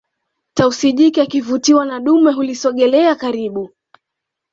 tausi jike akivutiwa na dume hulisogelelea karibu